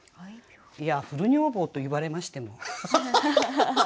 いや「古女房」と言われましても。